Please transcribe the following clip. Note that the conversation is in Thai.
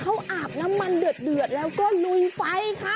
เขาอาบน้ำมันเดือดแล้วก็ลุยไฟค่ะ